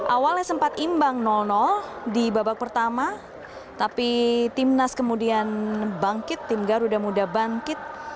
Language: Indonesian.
awalnya sempat imbang di babak pertama tapi timnas kemudian bangkit tim garuda muda bangkit